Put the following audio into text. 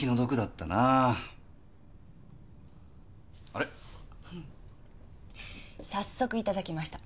あれ⁉早速いただきました。